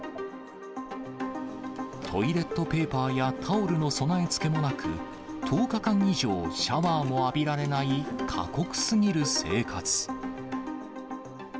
トイレットペーパーやタオルの備え付けもなく、１０日間以上、シャワーを浴びられない過酷すぎる生活。